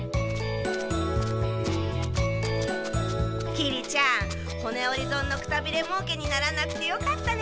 きりちゃん「骨折り損のくたびれもうけ」にならなくてよかったね。